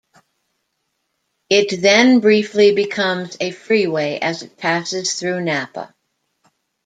It then briefly becomes a freeway as it passes through Napa.